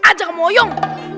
aduh jangan kemoyong